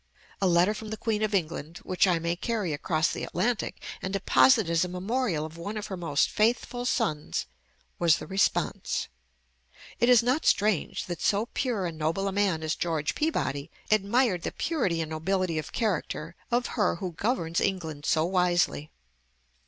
"A letter from the Queen of England, which I may carry across the Atlantic, and deposit as a memorial of one of her most faithful sons," was the response. It is not strange that so pure and noble a man as George Peabody admired the purity and nobility of character of her who governs England so wisely.